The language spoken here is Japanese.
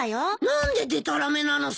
何ででたらめなのさ。